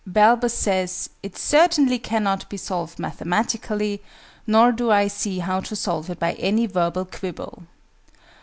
BALBUS says "it certainly cannot be solved mathematically, nor do I see how to solve it by any verbal quibble."